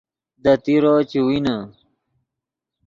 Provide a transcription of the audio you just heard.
دے تیرو چے وینے